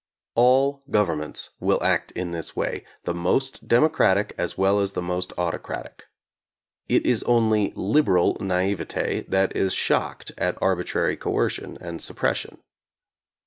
All governments will act in this way, the most democratic as well as the most autocratic. It is only "liberal" naivete that is shocked at arbitrary coercion and suppression.